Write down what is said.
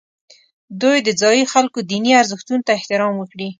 دوی د ځایي خلکو دیني ارزښتونو ته احترام وکړي.